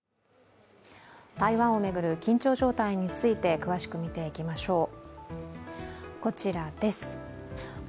台湾を巡る緊張状態について詳しく見ていきましょう。